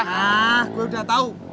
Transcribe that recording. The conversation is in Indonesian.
nah gue udah tahu